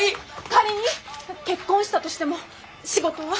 仮に結婚したとしても仕事は。